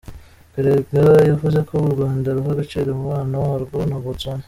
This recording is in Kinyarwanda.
Karega yavuze ko u Rwanda ruha agaciro umubano warwo na Botswana.